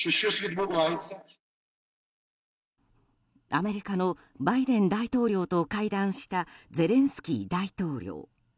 アメリカのバイデン大統領と会談したゼレンスキー大統領。